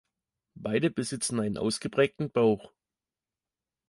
Beide besitzen einen ausgeprägten Bauch.